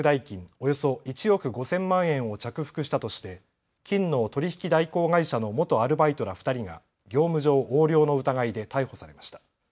およそ１億５０００万円を着服したとして金の取引代行会社の元アルバイトら２人が業務上横領の疑いで逮捕されました。